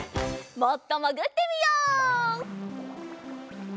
もっともぐってみよう。